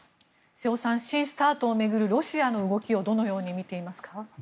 瀬尾さん新ＳＴＡＲＴを巡るロシアの動きをどのように見ていますか？